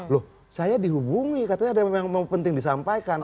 loh saya dihubungi katanya ada yang memang penting disampaikan